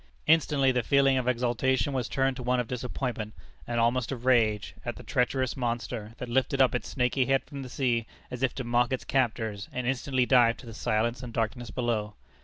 Instantly the feeling of exultation was turned to one of disappointment, and almost of rage, at the treacherous monster, that lifted up its snaky head from the sea, as if to mock its captors, and instantly dived to the silence and darkness below.